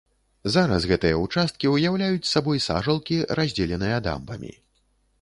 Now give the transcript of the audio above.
Зараз гэтыя ўчасткі ўяўляюць сабой сажалкі, раздзеленыя дамбамі.